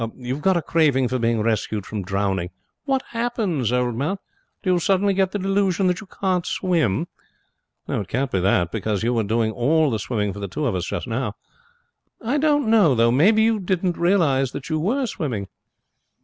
You've got a craving for being rescued from drowning. What happens, old man? Do you suddenly get the delusion that you can't swim? No, it can't be that, because you were doing all the swimming for the two of us just now. I don't know, though. Maybe you didn't realize that you were swimming?'